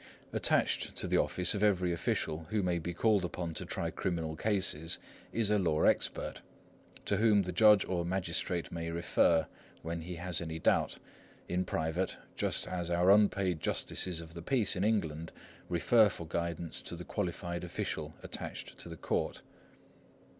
Attached to the office of every official who may be called upon to try criminal cases is a law expert, to whom the judge or magistrate may refer, when he has any doubt, in private, just as our unpaid justices of the peace in England refer for guidance to the qualified official attached to the court.